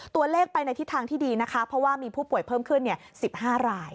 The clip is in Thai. ตัวเลขไปในทิศทางที่ดีนะคะเพราะว่ามีผู้ป่วยเพิ่มขึ้น๑๕ราย